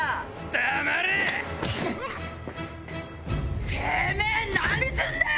てめぇ何すんだよ！